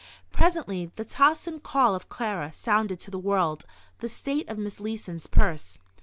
Presently the tocsin call of "Clara!" sounded to the world the state of Miss Leeson's purse.